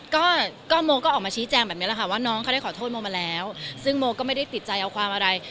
ก็ก็โมก็ออกมาชี้แจงแบบนี้แหละค่ะว่าน้องเขาได้ขอโทษโมมาแล้วซึ่งโมก็ไม่ได้ติดใจเอาความอะไร